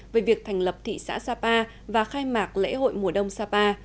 về việc thành lập thị xã sapa và khai mạc lễ hội mùa đông sapa